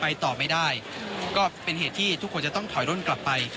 ต่อไม่ได้ก็เป็นเหตุที่ทุกคนจะต้องถอยร่นกลับไป